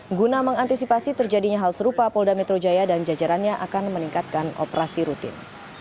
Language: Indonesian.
guna mengantisipasi terjadinya hal serupa polda metro jaya dan jajarannya akan meningkatkan operasi rutin